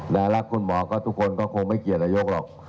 และรักคุณหมอทุกคนก็คงไม่เกียรติระยกหรอก